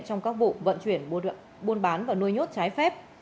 trong các vụ vận chuyển buôn bán và nuôi nhốt trái phép